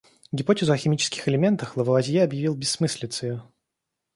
Гипотезу о химических элементах Лавуазье объявил бессмыслицею.